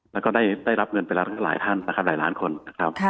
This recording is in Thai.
แล้วก็ได้รับเงินไปแล้วทั้งหลายท่านนะครับหลายล้านคนนะครับ